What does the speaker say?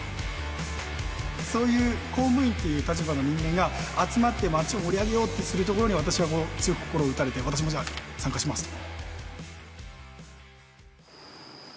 そういう公務員という立場の人間が集まってまちを盛り上げようとするところに私は強く心を打たれて「私もじゃあ参加します」と。